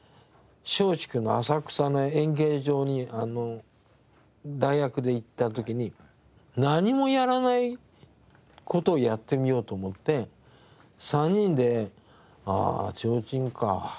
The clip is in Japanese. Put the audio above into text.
松竹の浅草の演芸場に代役で行った時に何もやらない事をやってみようと思って３人で「ああ提灯か」提灯があるのね。